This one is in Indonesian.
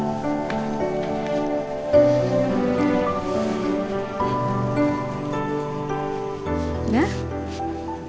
mari jangan kaget